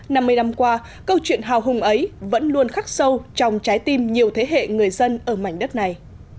năm mươi năm qua câu chuyện hào hùng ấy vẫn luôn khắc sâu trong trái tim nhiều thế hệ người dân ở mảnh đất này